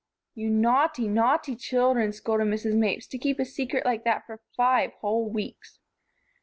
"You naughty, naughty children," scolded Mrs. Mapes, "to keep a secret like that for five whole weeks."